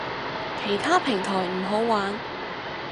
其他平台唔好玩